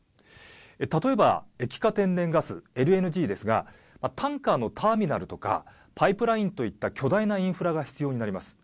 例えば液化天然ガス＝ＬＮＧですがタンカーのターミナルとかパイプラインといった巨大なインフラが必要になります。